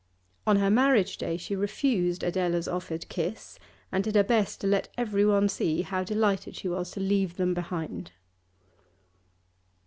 On her marriage day she refused Adela's offered kiss and did her best to let everyone see how delighted she was to leave them behind.